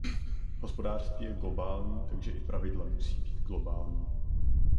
Hospodářství je globální, takže i pravidla musí být globální.